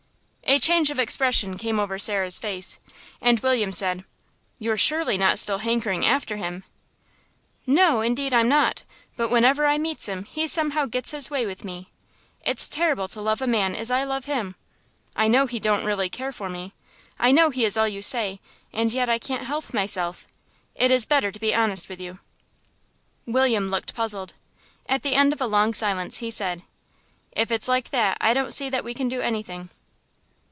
A change of expression came over Sarah's face, and William said, "You're surely not still hankering after him?" "No, indeed I'm not. But whenever I meets him he somehow gets his way with me. It's terrible to love a man as I love him. I know he don't really care for me I know he is all you say, and yet I can't help myself. It is better to be honest with you." William looked puzzled. At the end of a long silence he said, "If it's like that I don't see that we can do anything."